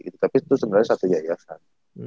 tapi itu sebenarnya satu yayasan